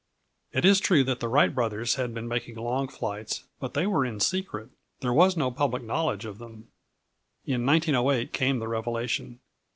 It is true that the Wright brothers had been making long flights, but they were in secret. There was no public knowledge of them. In 1908 came the revelation.